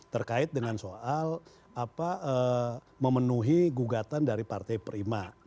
terkait dengan soal memenuhi gugatan dari partai prima